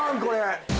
これ。